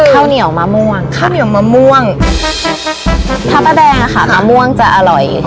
ข้าวเหนียวมะม่วงข้าวเหนียวมะม่วงพระประแดงอะค่ะมะม่วงจะอร่อย